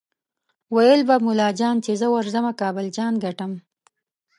ویل به ملا جان چې زه ورځمه کابل جان ګټم